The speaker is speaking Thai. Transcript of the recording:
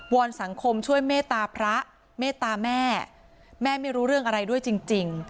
อนสังคมช่วยเมตตาพระเมตตาแม่แม่ไม่รู้เรื่องอะไรด้วยจริง